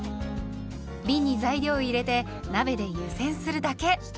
びんに材料を入れて鍋で湯煎するだけ。